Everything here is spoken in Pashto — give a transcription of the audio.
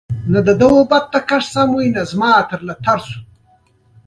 د تقاعد سیستم فعال دی؟